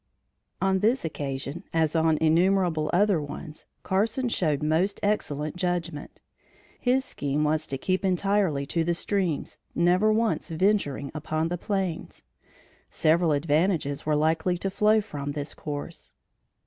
On this occasion, as on innumerable other ones, Carson showed most excellent judgment. His scheme was to keep entirely to the streams never once venturing upon the plains. Several advantages were likely to flow from this course.